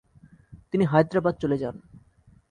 তিনি হায়দ্রাবাদ চলে যান।